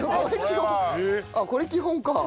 ああこれ基本か。